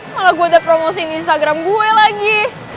malah gue udah promosiin instagram gue lagi